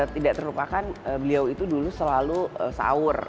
tidak terlupakan beliau itu dulu selalu sahur